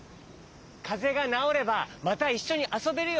かぜがなおればまたいっしょにあそべるよ！